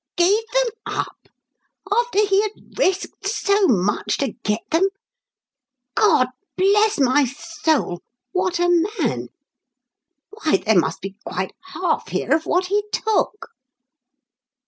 "Gave them up? After he had risked so much to get them? God bless my soul, what a man! Why, there must be quite half here of what he took."